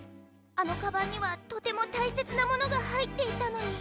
あのカバンにはとてもたいせつなものがはいっていたのに。